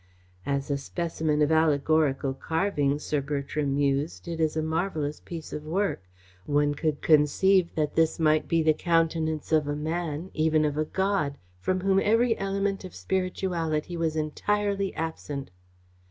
"As a specimen of allegorical carving," Sir Bertram mused, "it is a marvellous piece of work. One could conceive that this might be the countenance of a man, even of a god, from whom every element of spirituality was entirely absent."